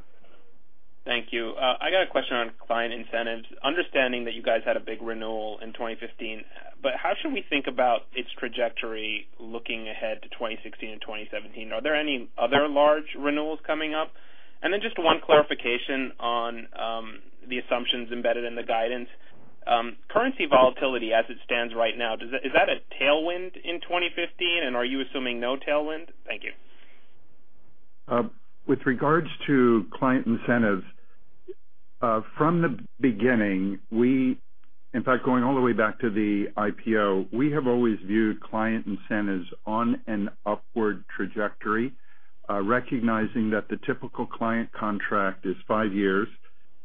Thank you. I got a question on client incentives. Understanding that you guys had a big renewal in 2015, but how should we think about its trajectory looking ahead to 2016 and 2017? Are there any other large renewals coming up? And then just one clarification on the assumptions embedded in the guidance. Currency volatility as it stands right now, is that a tailwind in 2015, and are you assuming no tailwind? Thank you. With regards to client incentives, from the beginning, we, in fact, going all the way back to the IPO, we have always viewed client incentives on an upward trajectory, recognizing that the typical client contract is five years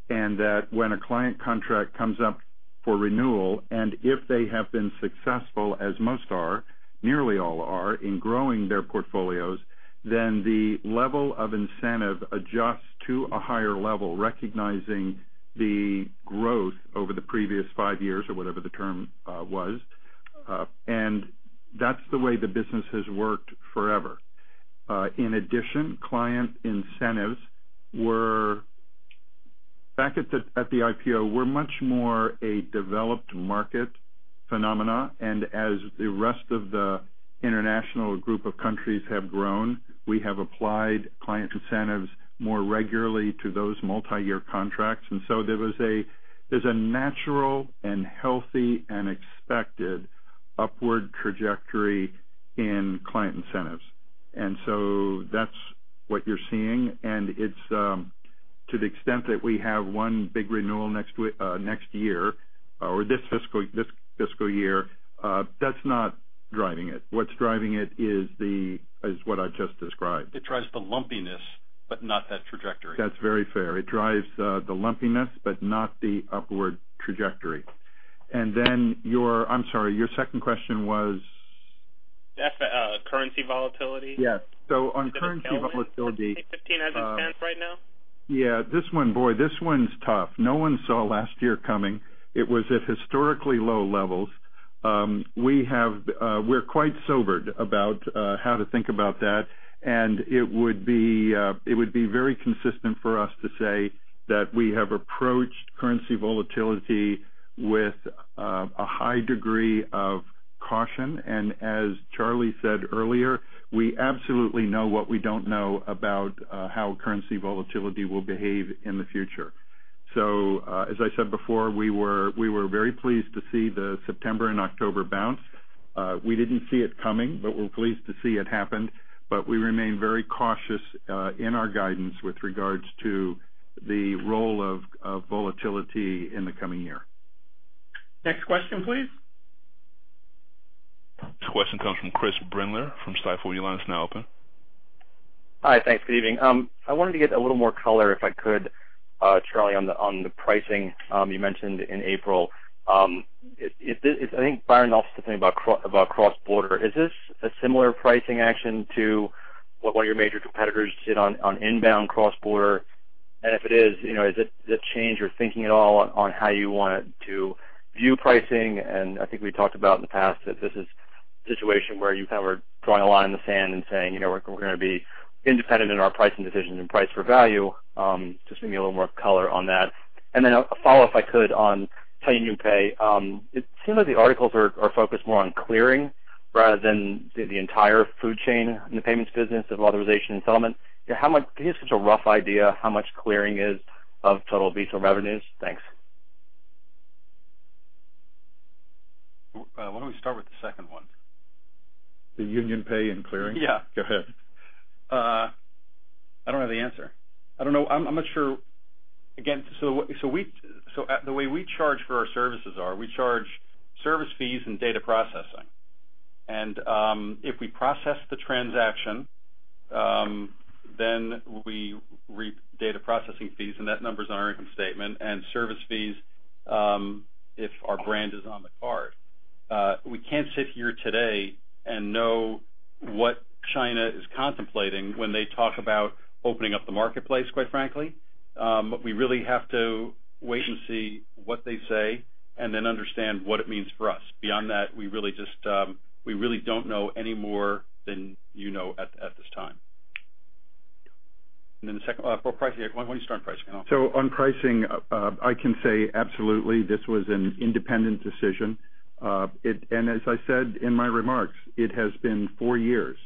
and that when a client contract comes up for renewal, and if they have been successful, as most are, nearly all are, in growing their portfolios, then the level of incentive adjusts to a higher level, recognizing the growth over the previous five years or whatever the term was, and that's the way the business has worked forever. In addition, client incentives were back at the IPO, were much more a developed market phenomena, and as the rest of the international group of countries have grown, we have applied client incentives more regularly to those multi-year contracts. And so there's a natural and healthy and expected upward trajectory in client incentives. And so that's what you're seeing. And to the extent that we have one big renewal next year or this fiscal year, that's not driving it. What's driving it is what I just described. It drives the lumpiness, but not that trajectory. That's very fair. It drives the lumpiness, but not the upward trajectory. And then your, I'm sorry, your second question was? Currency volatility? Yeah. So on currency volatility. 2015 as it stands right now? Yeah. This one, boy, this one's tough. No one saw last year coming. It was at historically low levels. We're quite sobered about how to think about that. And it would be very consistent for us to say that we have approached currency volatility with a high degree of caution. And as Charlie said earlier, we absolutely know what we don't know about how currency volatility will behave in the future. So as I said before, we were very pleased to see the September and October bounce. We didn't see it coming, but we're pleased to see it happened. But we remain very cautious in our guidance with regards to the role of volatility in the coming year. Next question, please. Next question comes from Chris Brendler from Stifel. Your line is now open. Hi. Thanks. Good evening. I wanted to get a little more color if I could, Charlie, on the pricing you mentioned in April. I think Byron also said something about cross-border. Is this a similar pricing action to what one of your major competitors did on inbound cross-border? And if it is, is it a change or thinking at all on how you want to view pricing? And I think we talked about in the past that this is a situation where you kind of are drawing a line in the sand and saying, "We're going to be independent in our pricing decisions and price for value." Just give me a little more color on that. And then a follow-up, if I could, on China UnionPay. It seems like the articles are focused more on clearing rather than the entire value chain in the payments business of authorization and settlement. Can you give us a rough idea how much clearing is of total Visa revenues? Thanks. Why don't we start with the second one? The UnionPay and clearing? Yeah. Go ahead. I don't have the answer. I don't know. I'm not sure. Again, so the way we charge for our services are, we charge service fees and data processing. And if we process the transaction, then we reap data processing fees, and that number's on our income statement, and service fees if our brand is on the card. We can't sit here today and know what China is contemplating when they talk about opening up the marketplace, quite frankly. But we really have to wait and see what they say and then understand what it means for us. Beyond that, we really don't know any more than you know at this time. And then the second, why don't you start pricing? On pricing, I can say absolutely this was an independent decision. And as I said in my remarks, it has been four years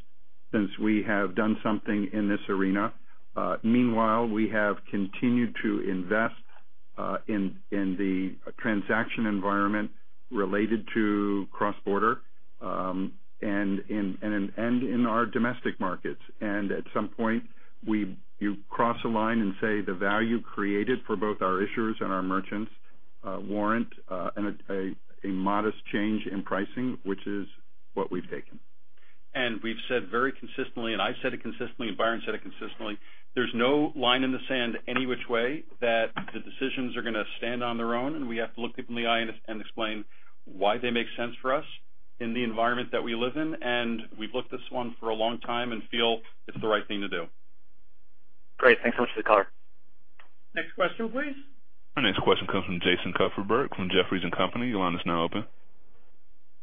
since we have done something in this arena. Meanwhile, we have continued to invest in the transaction environment related to cross-border and in our domestic markets. And at some point, you cross a line and say the value created for both our issuers and our merchants warrant a modest change in pricing, which is what we've taken. And we've said very consistently, and I've said it consistently, and Byron said it consistently, there's no line in the sand any which way that the decisions are going to stand on their own, and we have to look people in the eye and explain why they make sense for us in the environment that we live in. And we've looked at this one for a long time and feel it's the right thing to do. Great. Thanks so much for the color. Next question, please. Our next question comes from Jason Kupferberg from Jefferies & Company. Your line is now open.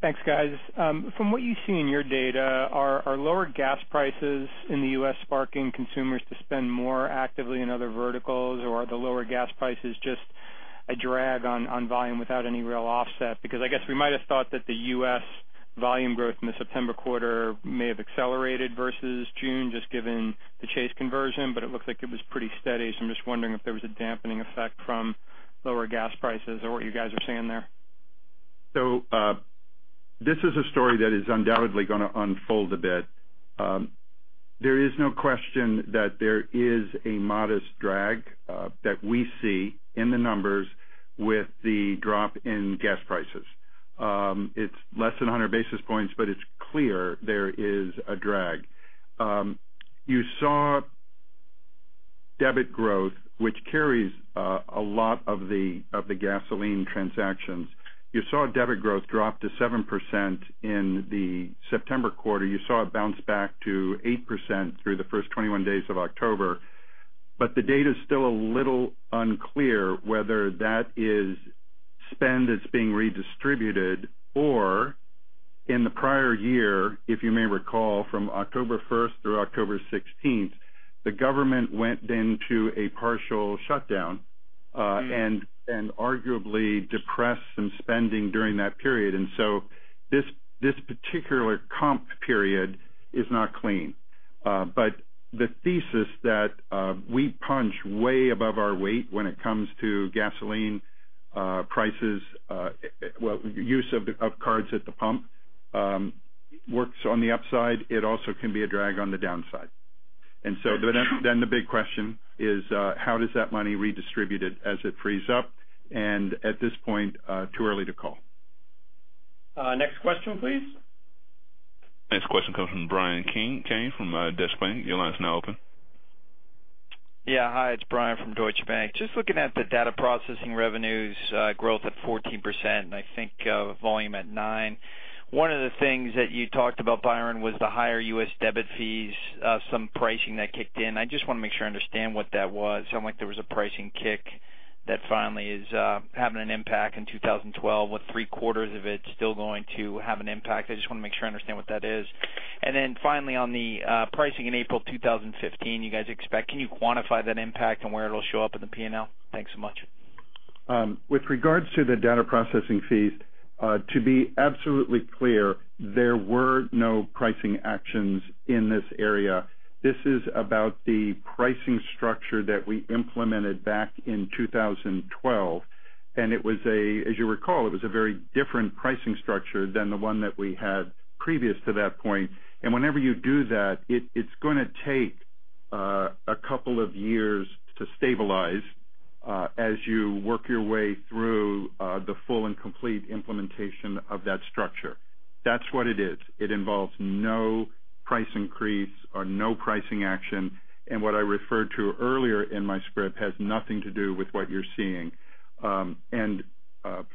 Thanks, guys. From what you see in your data, are lower gas prices in the U.S. sparking consumers to spend more actively in other verticals, or are the lower gas prices just a drag on volume without any real offset? Because I guess we might have thought that the U.S. volume growth in the September quarter may have accelerated versus June just given the Chase conversion, but it looked like it was pretty steady. So I'm just wondering if there was a dampening effect from lower gas prices or what you guys are saying there. So this is a story that is undoubtedly going to unfold a bit. There is no question that there is a modest drag that we see in the numbers with the drop in gas prices. It's less than 100 basis points, but it's clear there is a drag. You saw debit growth, which carries a lot of the gasoline transactions. You saw debit growth drop to 7% in the September quarter. You saw it bounce back to 8% through the first 21 days of October. But the data is still a little unclear whether that is spend that's being redistributed or in the prior year, if you may recall, from October 1st through October 16th, the government went into a partial shutdown and arguably depressed some spending during that period. And so this particular comp period is not clean. But the thesis that we punch way above our weight when it comes to gasoline prices, well, use of cards at the pump works on the upside. It also can be a drag on the downside. And so then the big question is, how does that money redistribute as it frees up? And at this point, too early to call. Next question, please. Next question comes from Bryan Keane from Deutsche Bank. Your line is now open. Yeah. Hi. It's Bryan from Deutsche Bank. Just looking at the data processing revenues growth at 14% and I think volume at 9%. One of the things that you talked about, Byron, was the higher U.S. debit fees, some pricing that kicked in. I just want to make sure I understand what that was. Sounds like there was a pricing kick that finally is having an impact in 2012 with three-quarters of it still going to have an impact. I just want to make sure I understand what that is. And then finally, on the pricing in April 2015, you guys expect. Can you quantify that impact and where it'll show up in the P&L? Thanks so much. With regard to the data processing fees, to be absolutely clear, there were no pricing actions in this area. This is about the pricing structure that we implemented back in 2012. And as you recall, it was a very different pricing structure than the one that we had previous to that point. And whenever you do that, it's going to take a couple of years to stabilize as you work your way through the full and complete implementation of that structure. That's what it is. It involves no price increase or no pricing action. And what I referred to earlier in my script has nothing to do with what you're seeing. And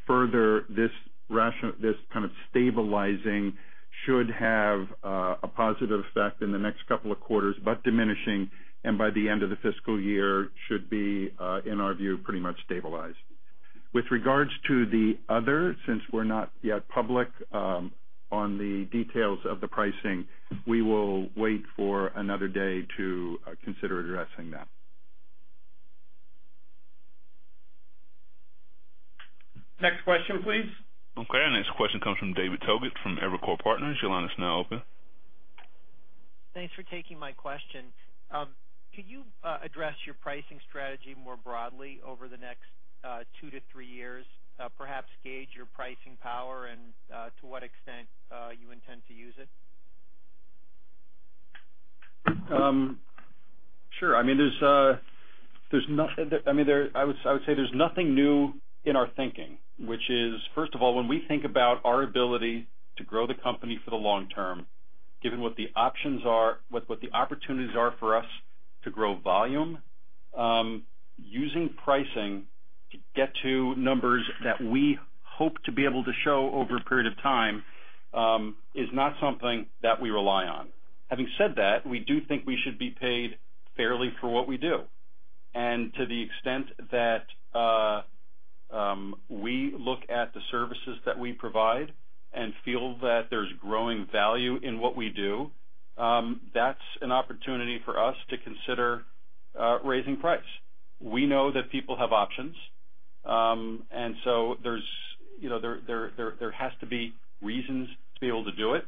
further, this kind of stabilizing should have a positive effect in the next couple of quarters, but diminishing. And by the end of the fiscal year should be, in our view, pretty much stabilized. With regards to the other, since we're not yet public on the details of the pricing, we will wait for another day to consider addressing that. Next question, please. Okay. Our next question comes from David Togut from Evercore Partners. Your line is now open. Thanks for taking my question. Could you address your pricing strategy more broadly over the next two to three years, perhaps gauge your pricing power and to what extent you intend to use it? Sure. I mean, I would say there's nothing new in our thinking, which is, first of all, when we think about our ability to grow the company for the long term, given what the options are, what the opportunities are for us to grow volume, using pricing to get to numbers that we hope to be able to show over a period of time is not something that we rely on. Having said that, we do think we should be paid fairly for what we do. And to the extent that we look at the services that we provide and feel that there's growing value in what we do, that's an opportunity for us to consider raising price. We know that people have options. And so there has to be reasons to be able to do it,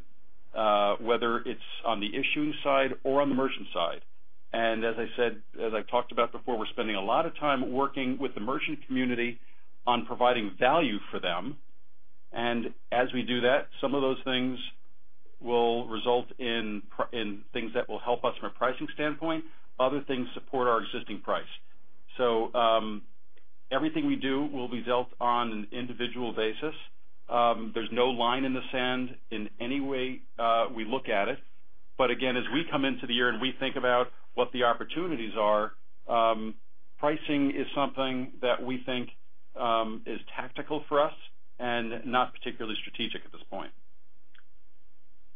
whether it's on the issuing side or on the merchant side. As I said, as I talked about before, we're spending a lot of time working with the merchant community on providing value for them. And as we do that, some of those things will result in things that will help us from a pricing standpoint. Other things support our existing price. So everything we do will result on an individual basis. There's no line in the sand in any way we look at it. But again, as we come into the year and we think about what the opportunities are, pricing is something that we think is tactical for us and not particularly strategic at this point.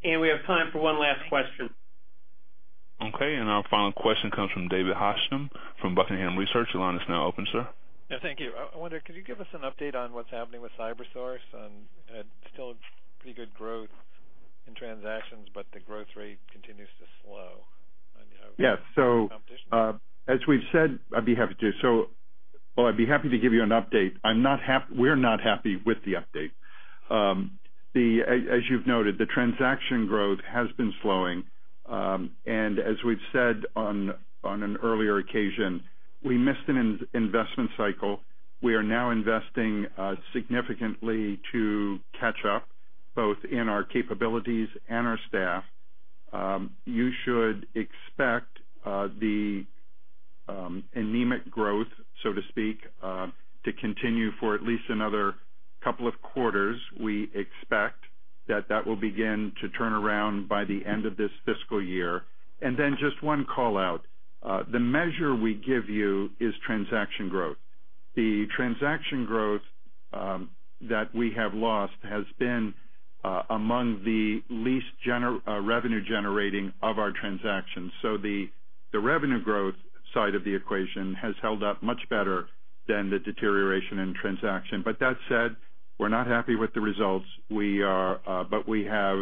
We have time for one last question. Okay. And our final question comes from David Hochstim from Buckingham Research. Your line is now open, sir. Yeah. Thank you. I wonder, could you give us an update on what's happening with CyberSource? And it's still pretty good growth in transactions, but the growth rate continues to slow. Yeah, so as we've said, I'd be happy to, well, I'd be happy to give you an update. We're not happy with the update. As you've noted, the transaction growth has been slowing, and as we've said on an earlier occasion, we missed an investment cycle. We are now investing significantly to catch up both in our capabilities and our staff. You should expect the anemic growth, so to speak, to continue for at least another couple of quarters. We expect that that will begin to turn around by the end of this fiscal year, and then just one call-out. The measure we give you is transaction growth. The transaction growth that we have lost has been among the least revenue-generating of our transactions, so the revenue growth side of the equation has held up much better than the deterioration in transaction. But that said, we're not happy with the results. But we have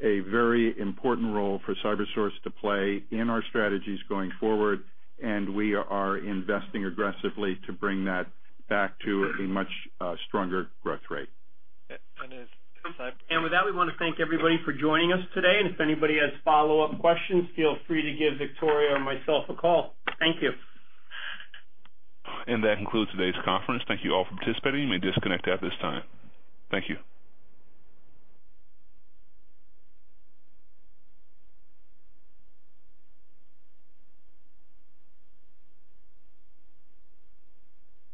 a very important role for CyberSource to play in our strategies going forward, and we are investing aggressively to bring that back to a much stronger growth rate. With that, we want to thank everybody for joining us today. If anybody has follow-up questions, feel free to give Victoria or myself a call. Thank you. And that concludes today's conference. Thank you all for participating. You may disconnect at this time. Thank you.